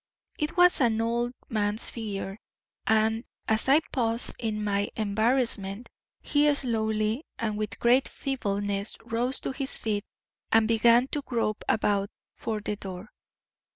It was an old man's figure, and as I paused in my embarrassment he slowly and with great feebleness rose to his feet and began to grope about for the door.